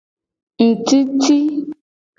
Ngtiti.